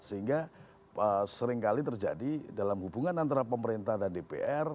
sehingga seringkali terjadi dalam hubungan antara pemerintah dan dpr